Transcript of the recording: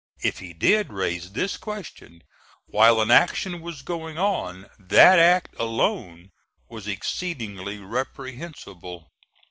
If he did raise this question while an action was going on, that act alone was exceedingly reprehensible.